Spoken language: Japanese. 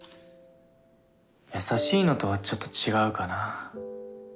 優しいのとはちょっと違うかな。